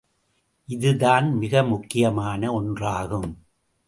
இதுதான் மிக முக்கியமான ஒன்றாகும்.